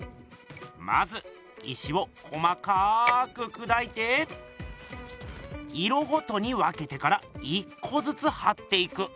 まず石を細かくくだいて色ごとに分けてから１こずつはっていく。